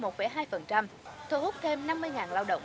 thu hút thêm năm mươi lao động